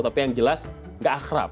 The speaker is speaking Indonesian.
tapi yang jelas nggak akhrab